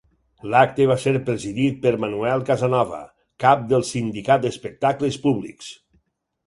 L'acte va ser presidit per Manuel Casanova, cap del Sindicat d'Espectacles Públics.